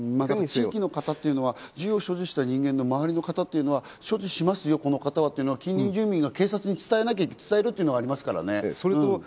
地域の方というのは銃を所持した人間の周りの方というのは所持しますよ、この方はというのは、近隣住民が警察に伝えなきゃいけないというのがありますからね。